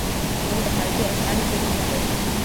موږ د خارجي اسعارو زیرمې نه لرو.